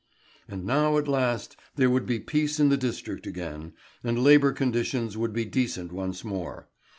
And now at last there would be peace in the district again, and labour conditions would be decent once more.